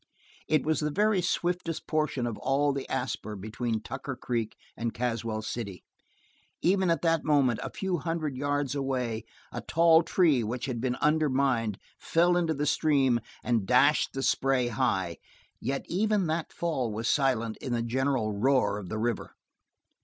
It was the very swiftest portion of all the Asper between Tucker Creek and Caswell City. Even at that moment, a few hundred yards away, a tall tree which had been undermined, fell into the stream and dashed the spray high; yet even that fall was silent in the general roar of the river.